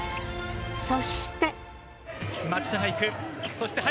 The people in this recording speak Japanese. そして林！